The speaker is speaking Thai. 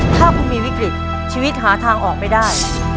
ถ้าคุณมีวิกฤตชีวิตหาทางออกไม่ได้